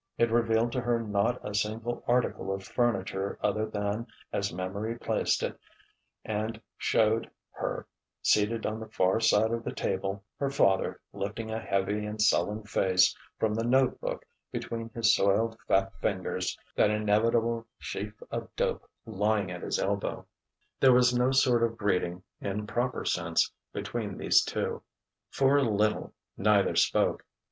It revealed to her not a single article of furniture other than as memory placed it, and showed her, seated on the far side of the table, her father lifting a heavy and sullen face from the note book between his soiled fat fingers, that inevitable sheaf of dope lying at his elbow. There was no sort of greeting, in proper sense, between these two. For a little neither spoke.